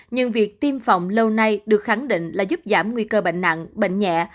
nhưng việc tiêm phòng lâu nay được khẳng định là giúp giảm nguy cơ bệnh nặng bệnh nhẹ